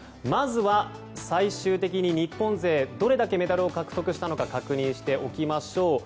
まずは、最終的に日本勢どれだけメダルを獲得したのか確認しておきましょう。